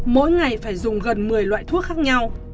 mỗi ngày phải dùng gần một mươi loại thuốc khác nhau